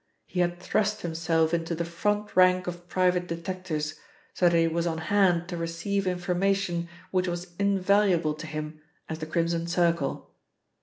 "He had thrust himself into the front rank of private detectives, so that he was on hand to receive information which was invaluable to him as the Crimson Circle.